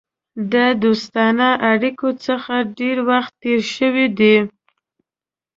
د دوستانه اړېکو څخه ډېر وخت تېر شوی دی.